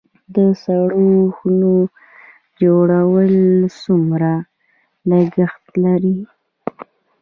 د سړو خونو جوړول څومره لګښت لري؟